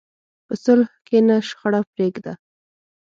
په صلح کښېنه، شخړه پرېږده.